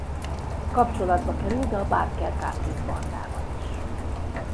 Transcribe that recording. Kapcsolatba került a Barker-Karpis–bandával is.